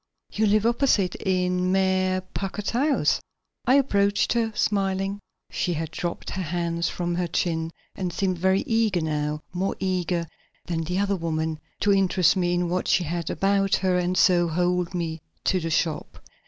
"You live opposite; in Mayor Packard's house?" I approached her, smiling. She had dropped her hands from her chin and seemed very eager now, more eager than the other woman, to interest me in what she had about her and so hold me to the shop.